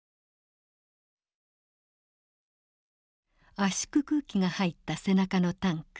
圧縮空気が入った背中のタンク。